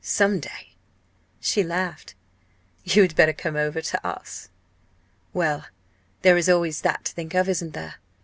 some day." She laughed. "You had better come over to us." "Well, there is always that to think of, isn't there?